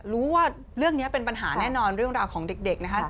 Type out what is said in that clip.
รู้ว่าเรื่องนี้เป็นปัญหาแน่นอนเรื่องราวของเด็กนะคะ